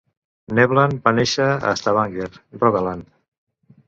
Nevland va néixer a Stavanger, Rogaland.